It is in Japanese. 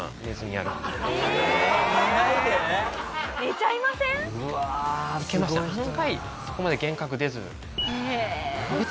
案外そこまで幻覚出ず。